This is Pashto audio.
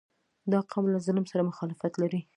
• دا قوم له ظلم سره مخالفت لري.